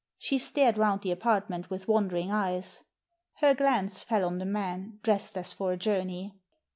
She stared round the apartment with wondering eyes. Her glance fell on the man, dressed as for a journey.